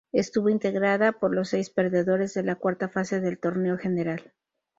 Estuvo integrada por los seis perdedores de la cuarta fase del torneo general.